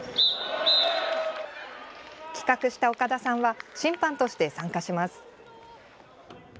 企画した岡田さんは審判として参加します。